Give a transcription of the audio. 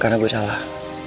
karena gue salah